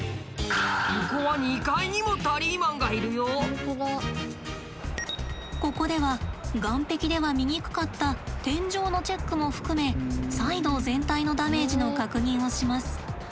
ここはここでは岸壁では見にくかった天井のチェックも含め再度全体のダメージの確認をします。